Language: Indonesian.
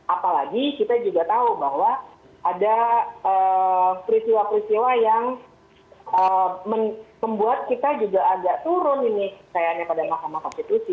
apalagi kita juga tahu bahwa ada peristiwa peristiwa yang membuat kita juga agak turun ini kayaknya pada mahkamah konstitusi